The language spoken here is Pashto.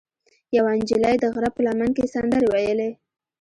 یوه نجلۍ د غره په لمن کې سندرې ویلې.